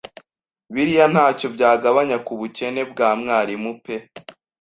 Biriya ntacyo byagabanya ku bukene bwa mwalimu pe